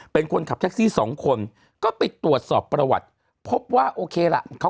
เป็นคนขับแท็กซี่สองคนก็ไปตรวจสอบประวัติพบว่าโอเคล่ะเขา